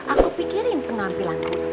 aku pikirin penampilan aku di depan bapak